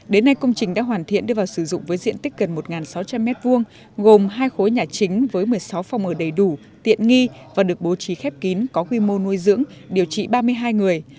đến nay công trình đã hoàn thiện đưa vào sử dụng với diện tích gần một sáu trăm linh m hai gồm hai khối nhà chính với một mươi sáu phòng ở đầy đủ tiện nghi và được bố trí khép kín có quy mô nuôi dưỡng điều trị ba mươi hai người